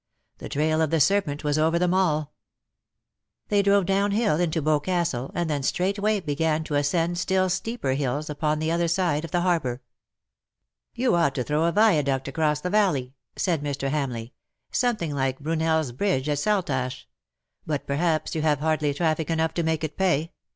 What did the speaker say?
The trail of the serpent was over them all \" They drove down hill into Boscastle^ and then straightway began to ascend still steeper hills upon the other side of the harbour. '^ You ought to throw a viaduct across the valley/ ' said Mr. Hamleigh —'' something like Brune?s bridge at Saltash ; but perhaps you have hardly traffic enough to make it pay."